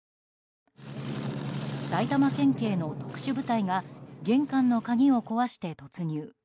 埼玉県警の特殊部隊が玄関の鍵を壊して突入。